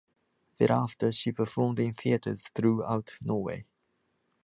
Thereafter she performed in theatres throughout Norway.